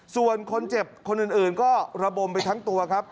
ส่วนคนเจ็บคนอื่นก็ระบมไปทั้งตัวครับ